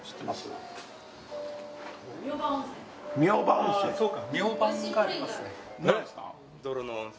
あそうか。